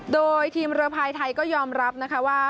โดยทีมเรือพายไทยก็ยอมรับนะคะว่า